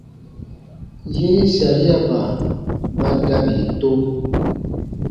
Yen sariaba ba dabi to.